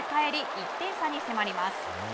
１点差に迫ります。